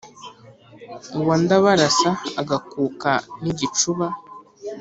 uwa ndábarása agakuka n igicúba